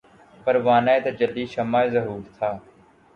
پروانۂ تجلی شمع ظہور تھا